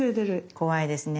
怖いですね。